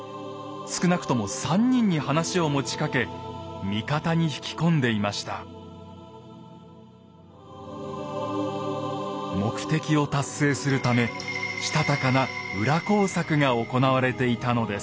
少なくとも３人に話を持ちかけ目的を達成するためしたたかな裏工作が行われていたのです。